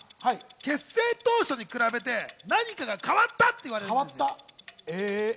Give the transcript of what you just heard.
結成当初に比べて、何かが変わったって言われるんです。